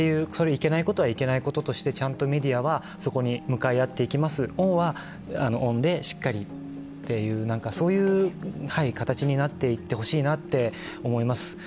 いけないことはいけないこととして、ちゃんとメディアはそこに向かい合っていきます、恩は恩でしっかりという、そういう形になっていってほしいなって思います。